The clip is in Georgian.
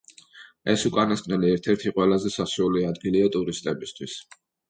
ეს უკანასკნელი ერთ-ერთი ყველაზე სასურველი ადგილია ტურისტებისათვის.